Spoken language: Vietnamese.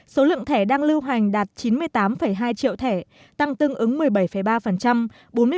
số lượng thẻ đang lưu hành đạt chín mươi tám hai triệu thẻ tăng tương ứng một mươi bảy ba bốn mươi bốn năm và một mươi năm tám so với cùng kỳ năm ngoái